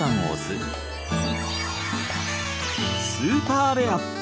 スーパーレア！